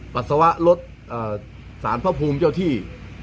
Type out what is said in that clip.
ปัสสาวะลดสารพระภูมิเจ้าที่